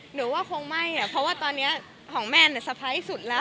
หรือว่าคงไม่เอิ้นของแมนสุขอยู่สุดเลย